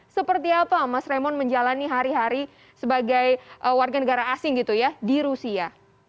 seperti apa mas raymond menjalani hari hari sebagai warga negara asing di rusia